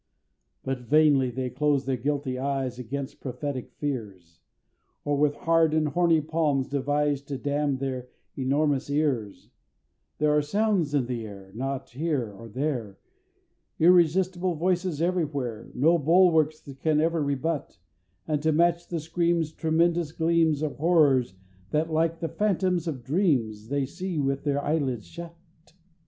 But vainly they close their guilty eyes Against prophetic fears; Or with hard and horny palms devise To dam their enormous ears There are sounds in the air, Not here or there, Irresistible voices everywhere, No bulwarks can ever rebut, And to match the screams Tremendous gleams, Of Horrors that like the Phantoms of dreams, They see with their eyelids shut!